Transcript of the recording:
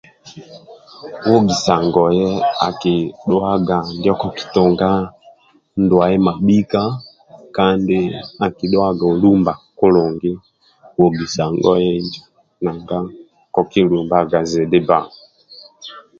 Ogisa ngoye akidhuaga ndio kokitunga ndwaye mabhika kandi akudhuaga olumba kulungi nanga ogisa ngoye kikisumbaga zidhi bba ogisa ngoye injo